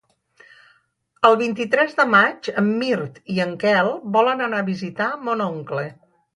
El vint-i-tres de maig en Mirt i en Quel volen anar a visitar mon oncle.